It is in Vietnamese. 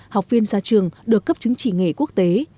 học viên ra trường được cấp chứng chỉ nghề quốc tế